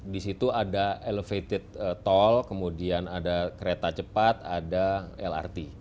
di situ ada elevated tol kemudian ada kereta cepat ada lrt